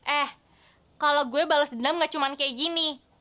eh kalau gue balas dendam nggak cuma kayak gini